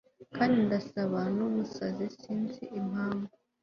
Kandi ndasa numusazi Sinzi impamvu